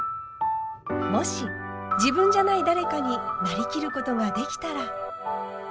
もし自分じゃない誰かになりきることができたら。